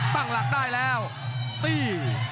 ตั้งหลักได้แล้วตี้